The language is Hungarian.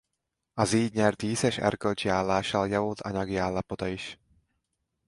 Az így nyert díszes erkölcsi állással javult anyagi állapota is.